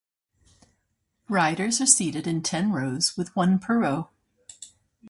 Riders are seated in ten rows with one per row.